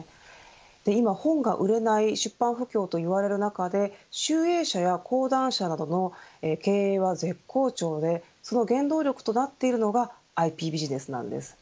今本が売れない出版不況といわれる中で集英社や講談社などの経営は絶好調で、その原動力となっているのがＩＰビジネスなんです。